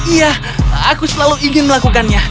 iya aku selalu ingin melakukannya